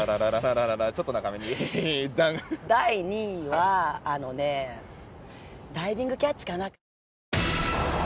第２位はダイビングキャッチかな。